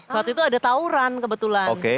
waktu itu ada tauran kebetulan